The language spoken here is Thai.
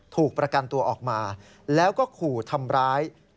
ถูกประกันตัวออกมาแล้วก็ขู่ทำร้าย